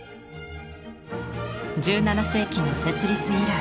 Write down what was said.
１７世紀の設立以来